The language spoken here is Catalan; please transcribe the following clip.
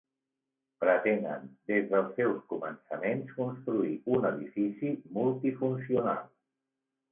Pretenen des dels seus començaments construir un edifici multifuncional.